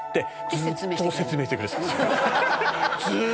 「ずーっと説明してくれてたんですけど」